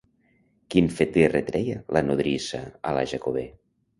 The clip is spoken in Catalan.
Quin fet li retreia la nodrissa a la Jacobè?